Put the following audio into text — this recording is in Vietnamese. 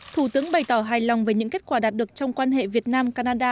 thủ tướng bày tỏ hài lòng về những kết quả đạt được trong quan hệ việt nam canada